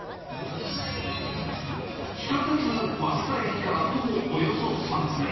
地下鉄早稲田駅から徒歩およそ３分。